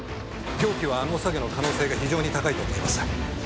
凶器はあのおさげの可能性が非常に高いと思います。